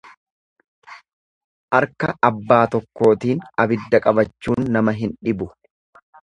Arka abbaa tokkootiin abidda qabachuun nama hin dhibu.